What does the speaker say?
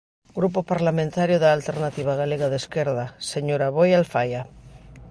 Grupo Parlamentario da Alternativa Galega de Esquerda, señor Aboi Alfaia.